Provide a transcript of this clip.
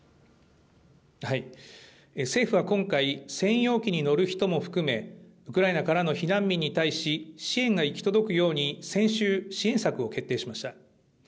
政府は今回、専用機に乗る人も含め、ウクライナからの避難民に対し、支援が行き届くように先週、支援策を決定しました。